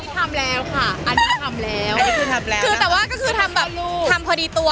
แต่ว่าก็ทำพอดีตัว